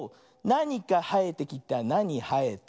「なにかはえてきたなにはえた」